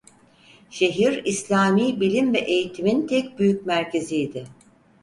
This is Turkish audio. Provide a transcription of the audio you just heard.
Şehir İslami bilim ve eğitimin tek büyük merkeziydi.